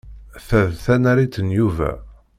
Ta d tanarit n Yuba.